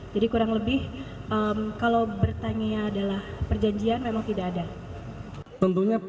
jadi kurang lebih kalau bertanya adalah perjanjian memang tidak ada